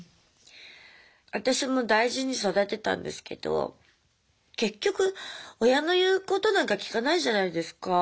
私も大事に育てたんですけど結局親の言うことなんか聞かないじゃないですか。